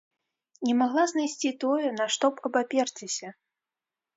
Не магла знайсці тое, на што б абаперціся.